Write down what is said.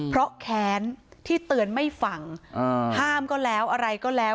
เพราะแค้นที่เตือนไม่ฟังห้ามก็แล้วอะไรก็แล้ว